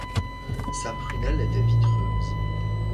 Sa prunelle était vitreuse.